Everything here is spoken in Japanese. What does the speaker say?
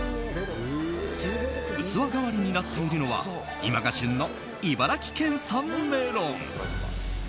器代わりになっているのは今が旬の茨城県産メロン。